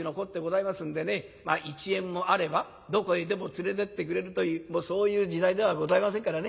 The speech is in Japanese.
１円もあればどこへでも連れてってくれるというそういう時代ではございませんからね